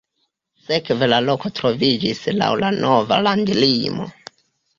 Sekve la loko troviĝis laŭ la nova landlimo.